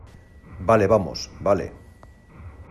vale, vamos. vale .